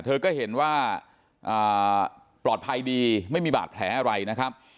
เธอก็เห็นว่าปลอดภัยดีไม่มีบาดแผลอะไรนะครับ